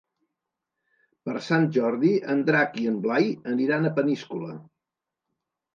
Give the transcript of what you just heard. Per Sant Jordi en Drac i en Blai aniran a Peníscola.